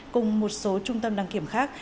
cùng một số trung tâm đăng kiểm khác